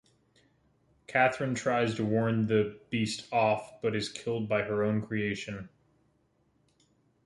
Catherine tries to warn the beast off, but is killed by her own creation.